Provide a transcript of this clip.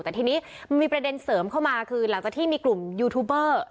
แต่ทีนี้มันมีประเด็นเสริมเข้ามาคือหลังจากที่มีกลุ่มยูทูบเบอร์